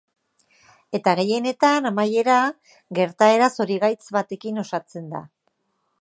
Eta gehienetan, amaiera, gertaera zorigaitz batekin osatzen da.